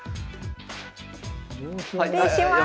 失礼します。